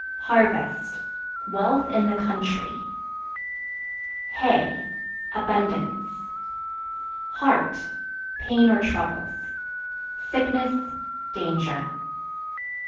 Harvest Wealth in the country. Hay Abundance. Heart (Pain or troubles) sickness, danger.